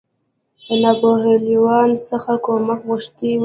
ناپولیون څخه کومک غوښتی وو.